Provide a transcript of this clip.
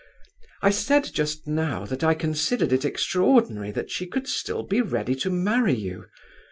I said just now that I considered it extraordinary that she could still be ready to marry you.